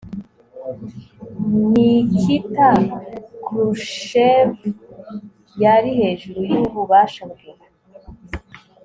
nikita khrushchev yari hejuru yububasha bwe